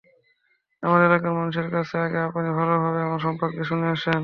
আমার এলাকার মানুষের কাছে আগে আপনি ভালোভাবে আমার সম্পর্কে শুনে আসেন।